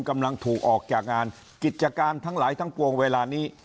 กำลังถูกออกจากงานกิจการทั้งหลายทั้งปวงเวลานี้